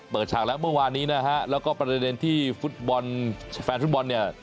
ฉากแล้วเมื่อวานนี้นะฮะแล้วก็ประเด็นที่ฟุตบอลแฟนฟุตบอลเนี่ย